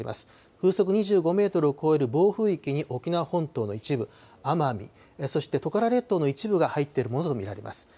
風速２５メートルを超える暴風域に沖縄本島の一部、奄美、そしてトカラ列島の一部が入ってるものと見られます。